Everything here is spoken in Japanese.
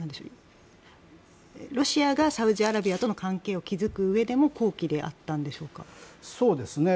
ロシアがサウジアラビアとの関係を築くうえでも好機であったんでしょうか？